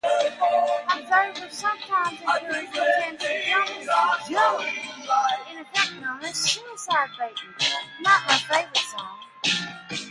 Observers sometimes encourage potential jumpers to jump, an effect known as "suicide baiting".